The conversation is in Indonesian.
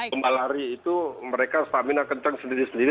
lomba lari itu mereka stamina kencang sendiri sendiri